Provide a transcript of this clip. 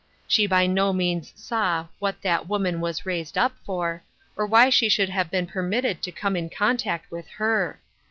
She by no means saw " what that woman was raised up for," or why she should have been permitted to come in contact with her.